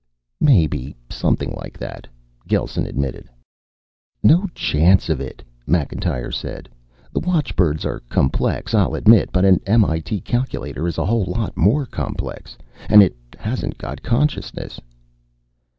"Maybe something like that," Gelsen admitted. "No chance of it," Macintyre said. "The watchbirds are complex, I'll admit, but an M.I.T. calculator is a whole lot more complex. And it hasn't got consciousness."